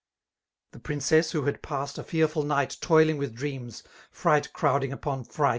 The princess, who had passed a fearful night. Toiling with dreams, — ^fright crowding upon fright.